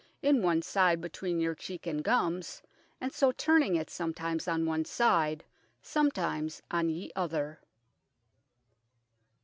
in one side betweene your cheke and gumms, and so turning it sometimes on one side, sometimes on ye other."